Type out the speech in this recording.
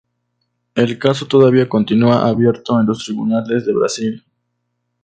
El caso todavía continúa abierto en los tribunales de Brasil.